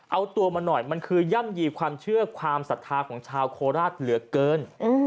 เอาตัวมาหน่อยมันคือย่ำยีความเชื่อความศรัทธาของชาวโคราชเหลือเกิน